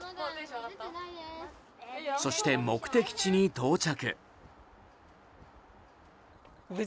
そして、目的地に到着。